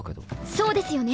そうですよね！